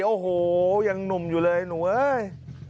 โอ้โหยังหนุ่มอยู่เลยหนูเอ้ย